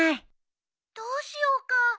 ☎どうしようか。